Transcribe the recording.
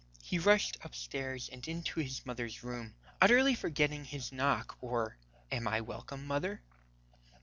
He rushed up stairs and into his mother's room, utterly forgetting his knock or "Am I welcome, mother?"